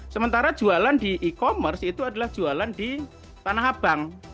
sementara jualan di e commerce itu adalah jualan di tanah abang